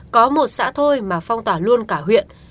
có một xã thôi mà phong tỏa luôn cả huyện